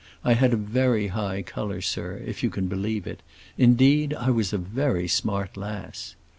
I had a very high color, sir, if you can believe it, indeed I was a very smart lass.